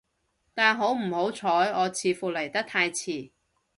但好唔好彩，我似乎嚟得太遲